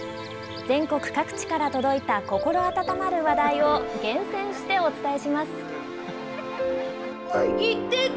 全国各地から届いた心温まる話題を厳選してお伝えします。